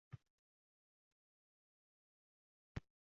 Undan ham yomonrog‘i o‘limdan keyin afsuslanishdir.